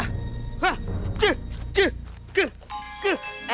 hah ke ke ke